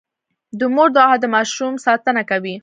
د مور دعا د ماشوم ساتنه کوي.